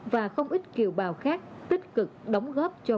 và không ít kiều bào khác tích cực đóng góp cho quê hương